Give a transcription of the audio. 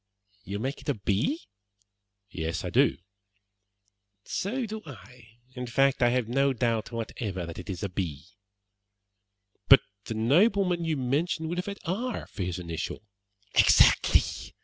"You make it a B?" "Yes, I do." "So do I. In fact, I have no doubt whatever that it is a B." "But the nobleman you mentioned would have had R for his initial." "Exactly!